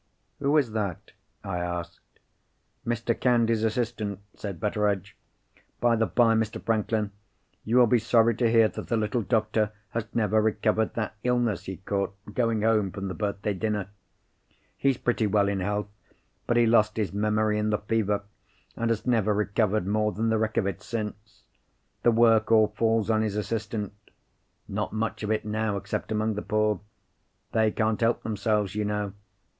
"Who is that?" I asked. "Mr. Candy's assistant," said Betteredge. "By the bye, Mr. Franklin, you will be sorry to hear that the little doctor has never recovered that illness he caught, going home from the birthday dinner. He's pretty well in health; but he lost his memory in the fever, and he has never recovered more than the wreck of it since. The work all falls on his assistant. Not much of it now, except among the poor. They can't help themselves, you know.